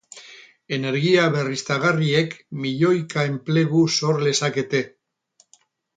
Energia berriztagarriek milioika enplegu sor lezakete.